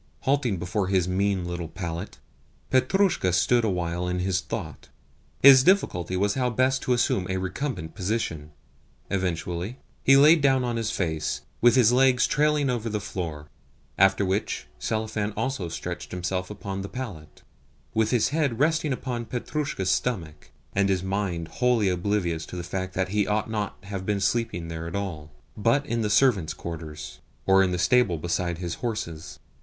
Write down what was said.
Halting before his mean little pallet, Petrushka stood awhile in thought. His difficulty was how best to assume a recumbent position. Eventually he lay down on his face, with his legs trailing over the floor; after which Selifan also stretched himself upon the pallet, with his head resting upon Petrushka's stomach, and his mind wholly oblivious of the fact that he ought not to have been sleeping there at all, but in the servant's quarters, or in the stable beside his horses.